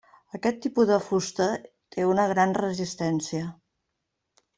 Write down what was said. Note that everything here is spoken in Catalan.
Aquest tipus de fusta té una gran resistència.